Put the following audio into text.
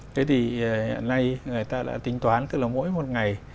thế thì hiện nay người ta đã tính toán tức là mỗi một ngày